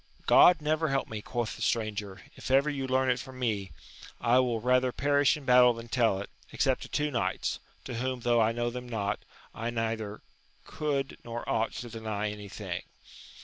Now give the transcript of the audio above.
God never help me, quoth the stranger, if ever you learn it from me : I will rather perish in battle than tell it, except to two knights, to whom, tho' I know them not, I neither could nor ought to deny any thing.